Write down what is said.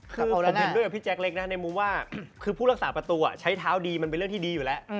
คือผมเห็นด้วยกับพี่แจ๊กเล็กนะในมุมว่าคือผู้รักษาประตูใช้เท้าดีมันเป็นเรื่องที่ดีอยู่แล้ว